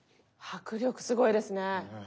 迫力すごいですね。